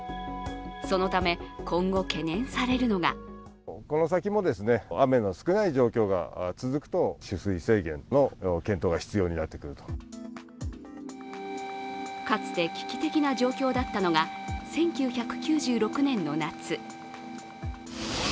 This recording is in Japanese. そのため、今後懸念されるのがかつて危機的な状況だったのが１９９６年の夏。